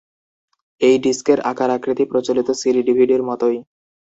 এই ডিস্কের আকার-আকৃতি প্রচলিত সিডি-ডিভিডির মতোই।